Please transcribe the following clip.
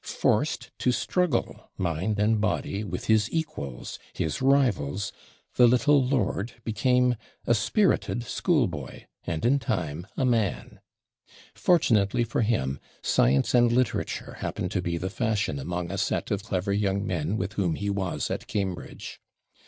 Forced to struggle, mind and body, with his equals, his rivals, the little lord became a spirited schoolboy, and, in time, a man. Fortunately for him, science and literature happened to be the fashion among a set of clever young men with whom he was at Cambridge.